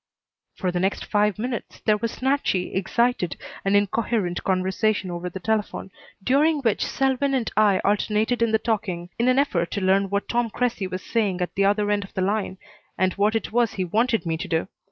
For the next five minutes there was snatchy, excited, and incoherent conversation over the telephone, during which Selwyn and I alternated in the talking in an effort to learn what Tom Cressy was saying at the other end of the line, and what it was he wanted me to do.